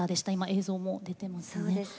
映像が出ています。